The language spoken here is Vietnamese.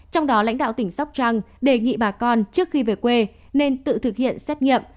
trong đó lãnh đạo tỉnh sóc trăng đề nghị bà con trước khi về quê nên tự thực hiện xét nghiệm